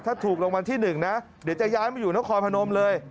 ถ้าถูกรางวัลที่๑นะเดี๋ยวจะย้ายมาอยู่นครพนมเลย